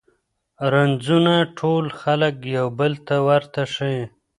رنځونه ټول خلګ یو بل ته ورته ښیي.